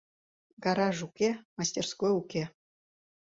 Гараж уке, мастерской уке.